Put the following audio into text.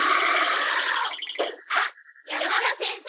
あっ山田先生。